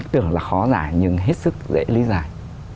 tưởng là khó giải nhưng hết sức dễ lý giải